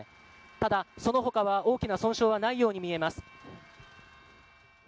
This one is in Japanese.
ただその他は大きな損傷はないように見えます。